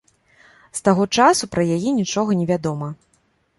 З таго часу пра яе нічога не вядома.